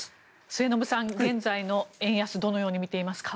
末延さん、現在の円安をどのように見ていますか。